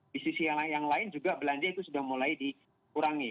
di sisi yang lain juga belanja itu sudah mulai dikurangi